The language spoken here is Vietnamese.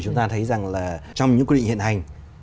chúng ta thấy rằng là trong những quy định hiện hành